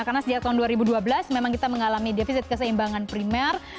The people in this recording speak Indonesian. karena sejak tahun dua ribu dua belas memang kita mengalami defisit keseimbangan primer